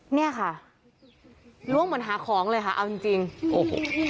เนี้ยค่ะร่วมเหมือนหาของเลยค่ะเอาจริงจริง